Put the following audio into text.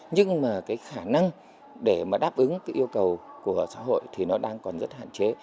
nhưng mà cái khả năng để mà đáp ứng cái yêu cầu của xã hội thì nó đang còn rất hạn chế